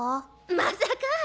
まさか！